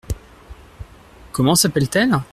Comment s’appelle-t-elle ?